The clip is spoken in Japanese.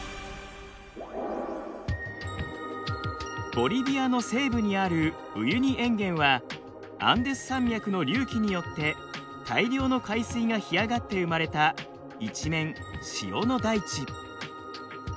ボリビアの西部にあるウユニ塩原はアンデス山脈の隆起によって大量の海水が干上がって生まれた一面塩の大地。